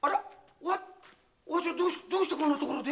おはつちゃんどうしてこんな所で？